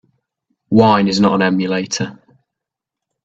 Wine is not an emulator.